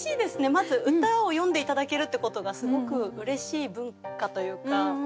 まず歌を詠んで頂けるってことがすごくうれしい文化というか。